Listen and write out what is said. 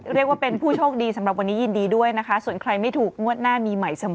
เรียกว่าเป็นผู้โชคดีสำหรับวันนี้ยินดีด้วยนะคะส่วนใครไม่ถูกงวดหน้ามีใหม่เสมอ